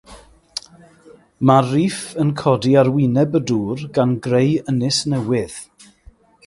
Mae'r rîff yn codi i arwyneb y dŵr, gan greu ynys newydd.